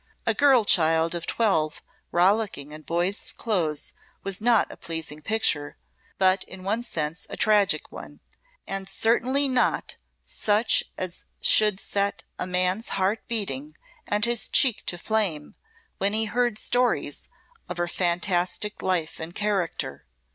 A girl child of twelve rollicking in boys' clothes was not a pleasing picture, but in one sense a tragic one, and certainly not such as should set a man's heart beating and his cheek to flame when he heard stories of her fantastic life and character.